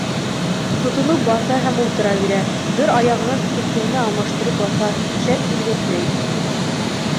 Тотоноп баҫа һәм ултыра бирә, бер аяғынан икенсеһенә алмаштырып баҫа, шәп имгәкләй.